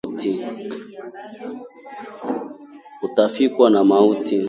atafikwa na mauti